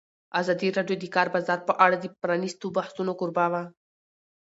ازادي راډیو د د کار بازار په اړه د پرانیستو بحثونو کوربه وه.